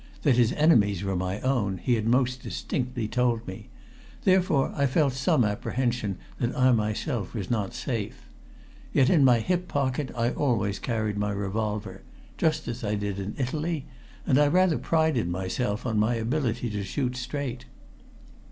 That his enemies were my own he had most distinctly told me, therefore I felt some apprehension that I myself was not safe. Yet in my hip pocket I always carried my revolver just as I did in Italy and I rather prided myself on my ability to shoot straight.